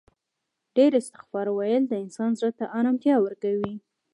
ډیر استغفار ویل د انسان زړه ته آرامتیا ورکوي